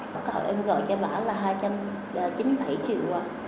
và yêu cầu em gọi cho bà là hai trăm chín mươi bảy triệu